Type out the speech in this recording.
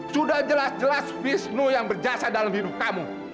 sudah jelas jelas wisnu yang berjasa dalam hidup kamu